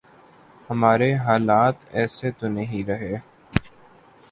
ہمارے حالات ایسے تو نہیں رہے۔